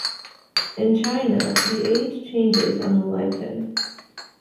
In China, the age changes on the lichun.